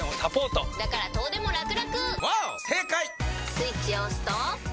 スイッチを押すと。